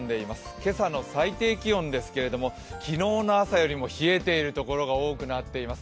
今朝の最低気温ですけど、昨日の朝よりも冷えているところが多くなっています。